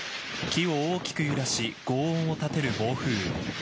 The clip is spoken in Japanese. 木を大きく揺らし轟音を立てる暴風雨。